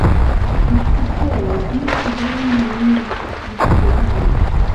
Artikolo en la Germanlingva vikipedio.